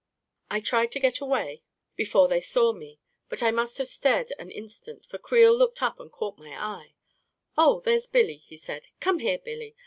I tried to get away A KING IN BABYLON 55 before they saw me, but I must have stared an in stant, for Creel looked up and caught my eye. " Oh, there's Billy," he said. " Come here, Billy.